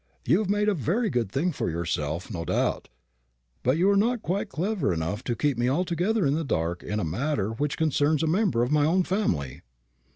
You have made a very good thing for yourself, no doubt; but you are not quite clever enough to keep me altogether in the dark in a matter which concerns a member of my own family."